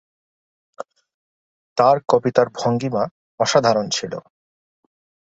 তার কবিতার ভঙ্গিমা অসাধারণ ছিল।